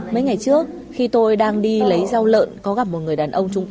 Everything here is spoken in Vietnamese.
mấy ngày trước khi tôi đang đi lấy rau lợn có gặp một người đàn ông